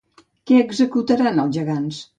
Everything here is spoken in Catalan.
Què executaran els gegants?